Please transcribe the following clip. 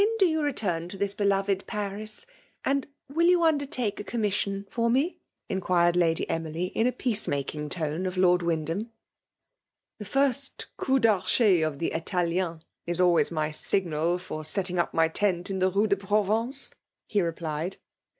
Wli9|ido you retitmto thisrhdo^edlMB^ and will you undertake a cominiaffion for m»Jr inquired Lady Emily, in a peacetnaldng .lbqv^ pf Lord Wyndham. 1; ^'< The fi^st .coup darchet of the ItalimM k always my signal for setting up my t^nt in the Rue de Proyence,'* he replied.